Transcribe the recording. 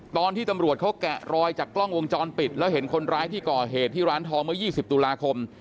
ตอนที่ตำรวจเขาแกะรอยจากกล้องวงจรปิดแล้วเห็นคนร้ายที่ก่อเหตุที่ร้านทองเมื่อ๒๐ตุลาคม